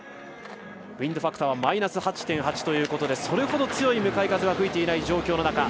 ウインドファクターはマイナス８．８ということでそれほど強い向かい風が吹いているわけではない状況。